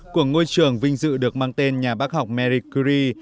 trưởng vinh dự được mang tên nhà bác học mary curie